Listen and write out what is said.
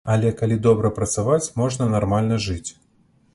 Але калі добра працаваць, можна нармальна жыць.